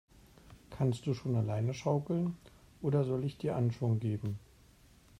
Kannst du schon alleine schaukeln, oder soll ich dir Anschwung geben?